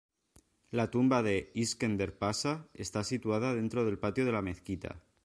La tumba de İskender Pasha está situada dentro del patio de la mezquita.